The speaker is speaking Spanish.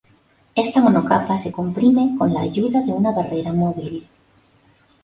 Esta monocapa se comprime con la ayuda de una barrera móvil.